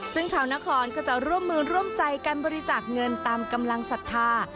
ซึ่งชาวนครก็จะร่วมมือร่วมใจกันบริจาคเงินตามกำลังศรัทธา